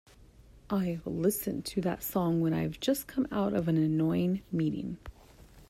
I'll listen to that song when I've just come out of an annoying meeting.